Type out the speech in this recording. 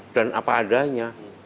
dan apa adanya